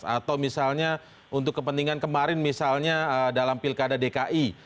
atau misalnya untuk kepentingan kemarin misalnya dalam pilkada dki